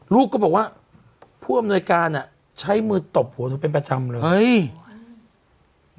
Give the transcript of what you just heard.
ลูกก็บอกว่าผู้อำนวยการอ่ะใช้มือตบหัวหนูเป็นประจำเลยเฮ้ย